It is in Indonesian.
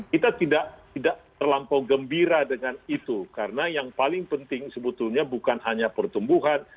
kita tidak terlampau gembira dengan itu karena yang paling penting sebetulnya bukan hanya pertumbuhan